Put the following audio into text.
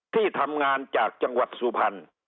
ที่ทำงานจากจังหวัดสุพรรณ